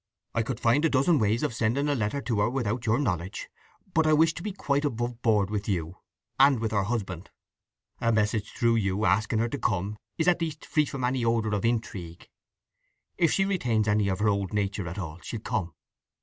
I could find a dozen ways of sending a letter to her without your knowledge. But I wish to be quite above board with you, and with her husband. A message through you asking her to come is at least free from any odour of intrigue. If she retains any of her old nature at all, she'll come."